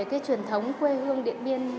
cái truyền thống quê hương địa biên